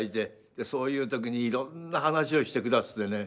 そういう時にいろんな話をしてくだすってね。